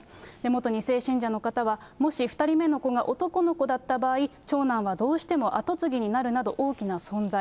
元２世信者の方は、もし２人目の子が男の子だった場合、長男はどうしても跡継ぎになるなど大きな存在。